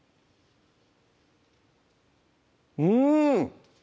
うん